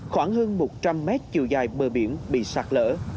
khoảng hơn một trăm linh mét chiều dài bờ biển bị sạt lở